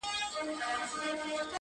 یا به ګوربت غوندي اسمان ته ختی -